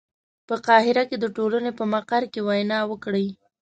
په قاهره کې د ټولنې په مقر کې وینا وکړي.